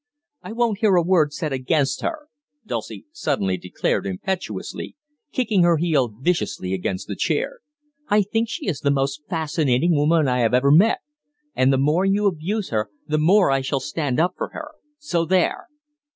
"I won't hear a word said against her," Dulcie suddenly declared impetuously, kicking her heel viciously against the chair. "I think she is the most fascinating woman I have ever met, and the more you abuse her the more I shall stand up for her so there."